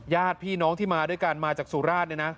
ญาติพี่น้องที่มาด้วยกันมาจากสุราชเนี่ยนะ